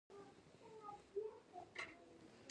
فریدګل د نازي افسر مړي ته ولاړ و